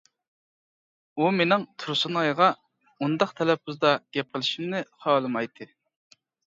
ئۇ مېنىڭ تۇرسۇنئايغا ئۇنداق تەلەپپۇزدا گەپ قىلىشىمنى خالىمايتتى.